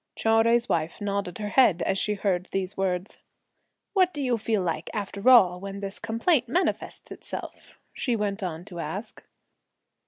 Chou Jui's wife nodded her head, as she heard these words. "What do you feel like after all when this complaint manifests itself?" she went on to ask.